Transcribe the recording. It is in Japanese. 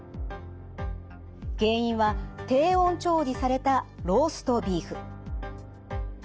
原因は低温調理されたローストビーフ。